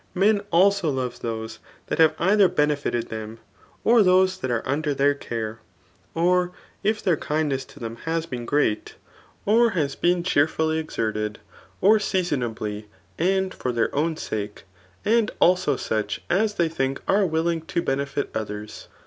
Men also love those that have dther benefited them, or those that are mider their care ; or if their kindness to them has been great, or has been cheerfully exerted, or seasonably, and for their own sake ; and also such as they think are willing to benefit others.